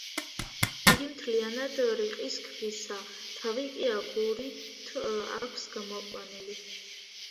იგი მთლიანად რიყის ქვისაა, თავი კი აგურით აქვს გამოყვანილი.